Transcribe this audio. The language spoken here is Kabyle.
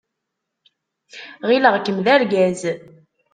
Ɣileɣ-kem d argaz.